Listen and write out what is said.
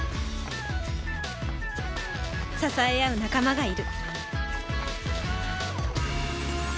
支え合う仲間がいる